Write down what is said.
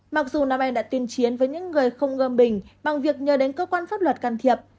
mặc dù nam em đã tuyên chiến với những người không ngơ bình bằng việc nhờ đến cơ quan pháp luật can thiệp